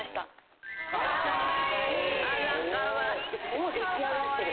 もう出来上がってる。